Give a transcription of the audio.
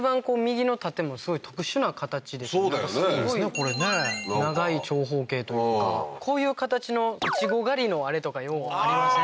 これね長い長方形というかこういう形のイチゴ狩りのあれとかようありません？